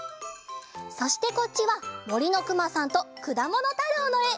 そしてこっちは「森のくまさん」と「くだものたろう」のえ！